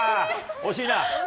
惜しいな。